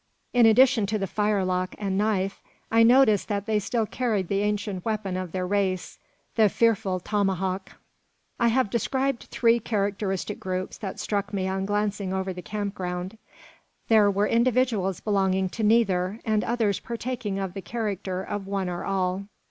In addition to the firelock and knife, I noticed that they still carried the ancient weapon of their race, the fearful tomahawk. I have described three characteristic groups that struck me on glancing over the camp ground. There were individuals belonging to neither, and others partaking of the character of one or all.